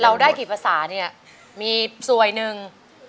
ได้กี่ภาษาเนี่ยมีสวยหนึ่ง